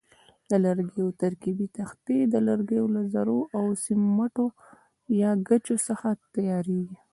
د لرګیو ترکیبي تختې د لرګیو له ذرو او سیمټو یا ګچو څخه تیاریږي.